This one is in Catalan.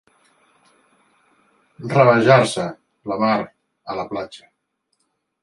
Rabejar-se, la mar, a la platja.